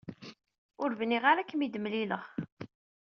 Ur bniɣ ara ad kem-id-mlileɣ.